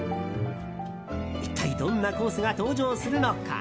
一体どんなコースが登場するのか。